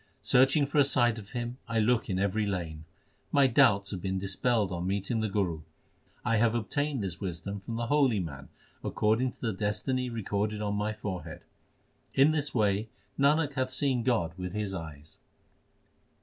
Searching for a sight of Him I look in every lane. My doubts have been dispelled on meeting the Guru. I have obtained this wisdom from the holy man according to the destiny recorded on my forehead. In this way Nanak hath seen God with his eyes.